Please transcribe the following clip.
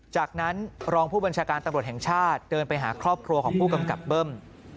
จากนั้นรองผู้บัญชาการตำรวจแห่งชาติเดินไปหาครอบครัวของผู้กำกับเบิ้ม